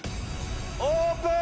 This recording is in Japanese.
オープン！